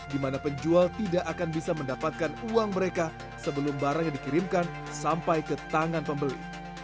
di mana penjual tidak akan bisa mendapatkan uang mereka sebelum barang yang dikirimkan sampai ke tangan pembeli